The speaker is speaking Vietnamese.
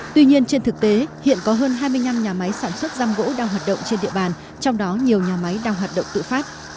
tuy nhiên trên thực tế hiện có hơn hai mươi năm nhà máy sản xuất giam gỗ đang hoạt động trên địa bàn trong đó nhiều nhà máy đang hoạt động tự phát